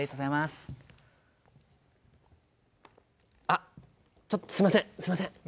あっちょっとすいませんすいません。